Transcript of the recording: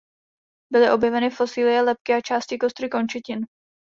Byly objeveny fosilie lebky a části kostry končetin.